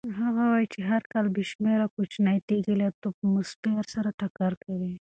هغه وایي چې هر کال بې شمېره کوچنۍ تېږې له اتموسفیر سره ټکر کوي.